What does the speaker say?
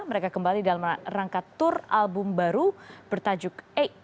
mereka kembali dalam rangka tour album baru bertajuk delapan